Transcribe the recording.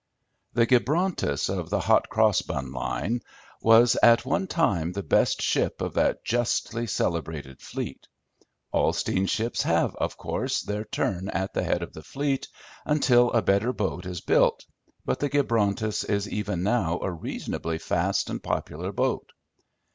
The Gibrontus of the Hot Cross Bun Line was at one time the best ship of that justly celebrated fleet. All steamships have, of course, their turn at the head of the fleet until a better boat is built, but the Gibrontus is even now a reasonably fast and popular boat.